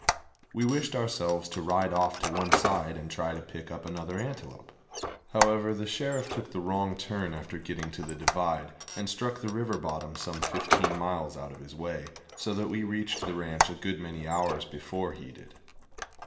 We wished ourselves to ride off to one side and try to pick up another antelope. However, the Sheriff took the wrong turn after getting to the divide, and struck the river bottom some fifteen miles out of his way, so that we reached the ranch a good many hours before he did.